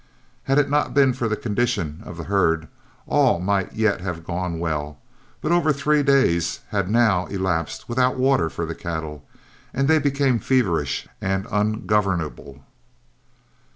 Had it not been for the condition of the herd, all might yet have gone well; but over three days had now elapsed without water for the cattle, and they became feverish and ungovernable.